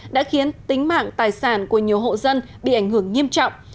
đã khiến tính mạng tài sản của nhiều hộ dân bị ảnh hưởng nghiêm trọng